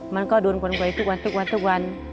มันก็โดนกวนไหวทุกวัน